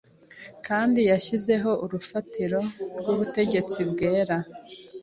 Kandi yashyizeho urufatiro rw'ubutegetsi bwera